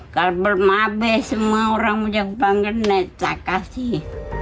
kalau belum habis semua orang minta kebanggaan nek tak kasih